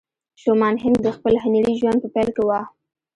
شومان هينک د خپل هنري ژوند په پيل کې وه.